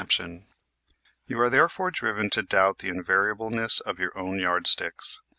You are therefore driven to doubt the invariableness of your own yardsticks.